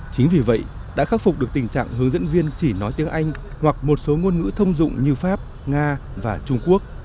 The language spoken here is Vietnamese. chính vì vậy đã khắc phục được tình trạng hướng dẫn viên chỉ nói tiếng anh hoặc một số ngôn ngữ thông dụng như pháp nga và trung quốc